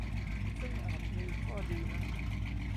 ซึ่งอาจมีข้อดีนะ